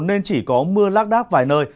nên chỉ có mưa lác đác vài nơi